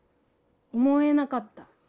思えなかった。